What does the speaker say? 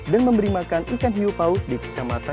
dan memberi makan ikan hiu paus di kecamatan